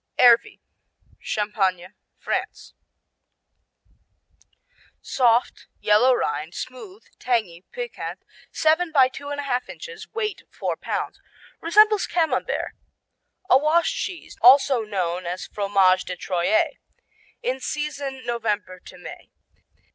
Ervy Champagne, France Soft; yellow rind; smooth; tangy; piquant; seven by two and a half inches, weight four pounds. Resembles Camembert. A washed cheese, also known as Fromage de Troyes. In season November to May.